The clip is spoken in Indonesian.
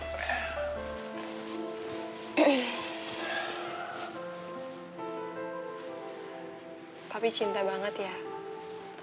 papi cinta banget ya